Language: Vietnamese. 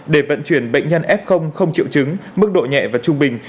để vận chuyển bệnh nhân f không triệu chứng mức độ nhẹ và trung bình